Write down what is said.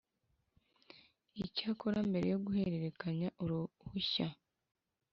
Icyakora mbere yo guhererekanya uruhushya